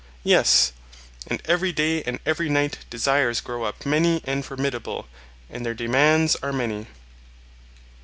Yes; and every day and every night desires grow up many and formidable, and their demands are many.